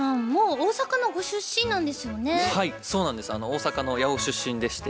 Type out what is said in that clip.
大阪の八尾出身でして。